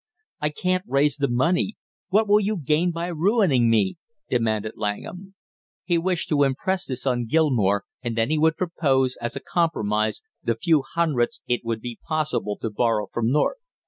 "I can't raise the money; what will you gain by ruining me?" demanded Langham. He wished to impress this on Gilmore, and then he would propose as a compromise the few hundreds it would be possible to borrow from North.